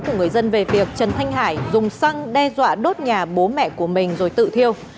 của người dân về việc trần thanh hải dùng xăng đe dọa đốt nhà bố mẹ của mình rồi tự thiêu